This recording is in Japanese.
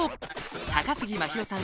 高杉真宙さん